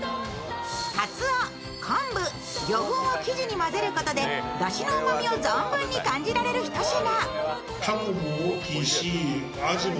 かつお、昆布、魚粉を生地に混ぜることでだしのうまみを存分に感じられる一品。